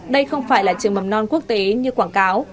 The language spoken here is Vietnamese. đây không phải là trường mầm non quốc tế như quảng cáo